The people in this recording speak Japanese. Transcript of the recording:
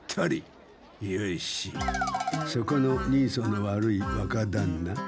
そこの人相の悪いわかだんな。